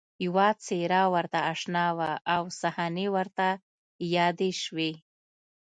یوه څېره ورته اشنا وه او صحنې ورته یادې شوې